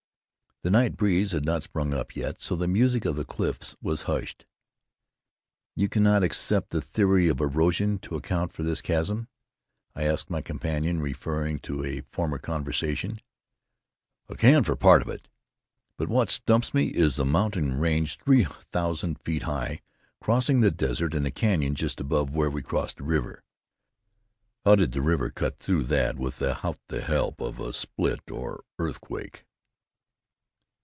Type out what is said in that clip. The night breeze had not sprung up yet, so the music of the cliffs was hushed. "You cannot accept the theory of erosion to account for this chasm?" I asked my companion, referring to a former conversation. "I can for this part of it. But what stumps me is the mountain range three thousand feet high, crossing the desert and the canyon just above where we crossed the river. How did the river cut through that without the help of a split or earthquake?"